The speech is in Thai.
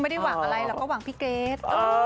ไม่ได้หวังอะไรหรอกก็หวังพี่เกรท